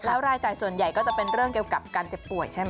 แล้วรายจ่ายส่วนใหญ่ก็จะเป็นเรื่องเกี่ยวกับการเจ็บป่วยใช่ไหม